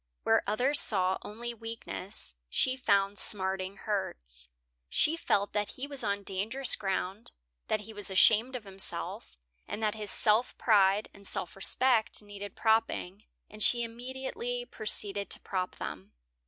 Where others saw only weakness, she found smarting hurts. She felt that he was on dangerous ground, that he was ashamed of himself, and that his self pride and self respect needed propping, and she immediately proceeded to prop them.